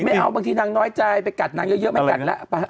ไม่เอาบางทีนางน้อยใจไปกัดนางเยอะเยอะไม่จะกัดละอะไรนะ